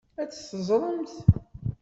Ad teẓremt.